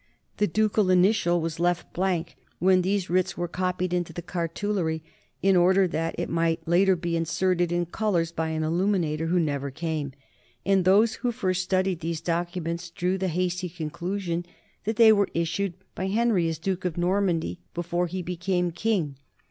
The ducal initial was left blank when these writs were copied into the cartulary, in order that it might later be inserted in colors by an illuminator who never came; and those who first studied these docu ments drew the hasty conclusion that they were issued by Henry as duke of Normandy before he became king.